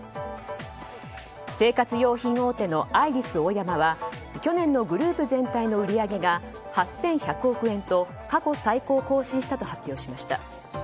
生活用品大手のアイリスオーヤマは去年のグループ全体の売り上げが８１００億円と過去最高を更新したと発表しました。